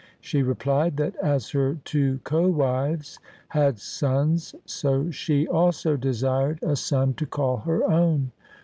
She replied, that as her two co wives had sons, so she also desired a son to call her own.